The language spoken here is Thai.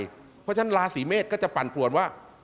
เพราะฉะนั้นราศีเมษก็จะปั่นปวนว่า